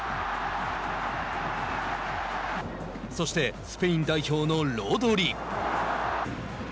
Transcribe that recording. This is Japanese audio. そして、スペイン代表のロドリ。